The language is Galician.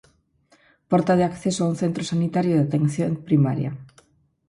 Porta de acceso a un centro sanitario de Atención Primaria.